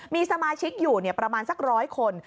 มีสมาชิกอยู่ประมาณสัก๑๐๐คน